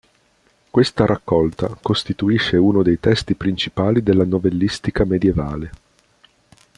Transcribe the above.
Questa raccolta costituisce uno dei testi principali della novellistica medievale.